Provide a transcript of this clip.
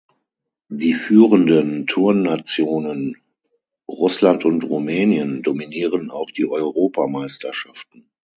Die führenden Turn-Nationen Russland und Rumänien dominieren auch die Europameisterschaften.